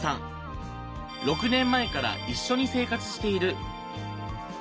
６年前から一緒に生活している。